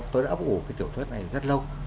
tôi đã ấp ủ cái tiểu thuyết này rất lâu